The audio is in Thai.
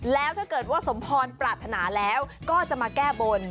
แล้วถ้าเกิดว่าสมพรปรารถนาแล้วก็จะมาแก้บน